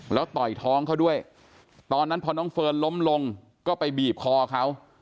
แล้วต่อยท้องเขาด้วยตอนนั้นพอน้องเฟิร์นล้มลงก็ไปบีบคอเขา